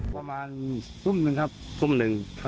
ประมาณทุ่มหนึ่งครับทุ่มหนึ่ง